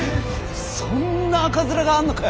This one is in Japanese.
そんな赤面があんのかよ！？